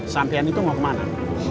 sampian itu mau kemana